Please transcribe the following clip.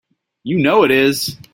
You know it is!